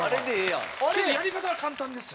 けどやり方は簡単です。